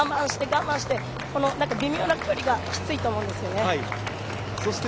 我慢して我慢してこの微妙な距離がきついと思うんですね。